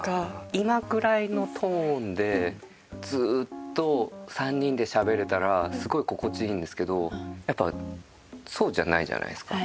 今ぐらいのトーンでずっと３人でしゃべれたらすごい心地いいんですけどやっぱそうじゃないじゃないですか。